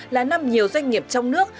là năm nhiều doanh nghiệp trong nước